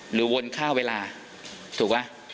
หรือวนค่าเวลาถูกปะ